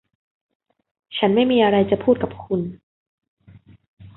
ฉันไม่มีอะไรจะพูดกับคุณ